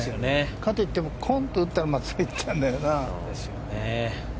かといってコンと打ったら真っすぐいっちゃうんだよな。